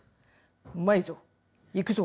うまいぞ行くぞ！